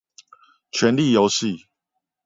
權力遊戲